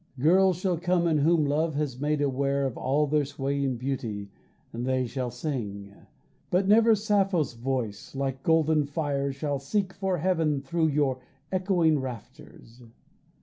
Girls shall come in whom love has made aware Of all their swaying beauty they shall sing, But never Sappho's voice, like golden fire, Shall seek for heaven thru your echoing rafters.